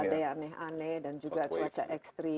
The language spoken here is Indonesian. ada yang aneh aneh dan juga cuaca ekstrim